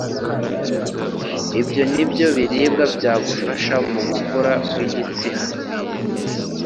Ibi nibyo biribwa byagufasha mu gukura kw'igitsina